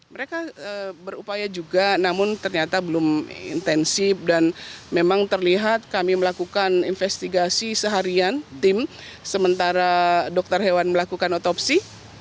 mereka berupaya juga namun ternyata belum intensif dan memang terlihat kami melakukan investigasi seharian tim sementara dokter hewan melakukan otopsi